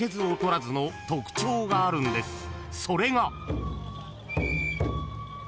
［それが］